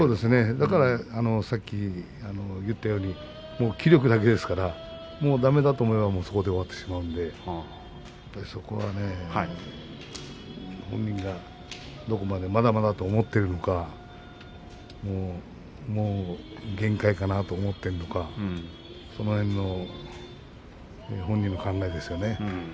だからさっき言ったようにもう気力だけですからもうだめだと思えばそこで終わってしまうのでそこは本人がまだまだと思っているのかもう限界かなと思っているのかその辺の本人の考えですかね。